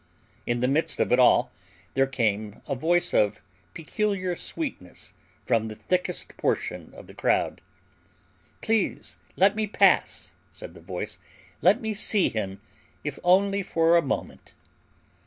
In the midst of it all there came a voice of peculiar sweetness from the thickest portion of the crowd. "Please let me pass!" said the voice. "Let me see him, if only for a moment!"